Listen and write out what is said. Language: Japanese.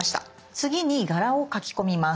次に柄を描き込みます。